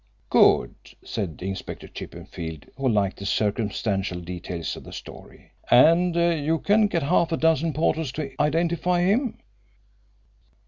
"Good," said Inspector Chippenfield, who liked the circumstantial details of the story. "And you can get half a dozen porters to identify him?"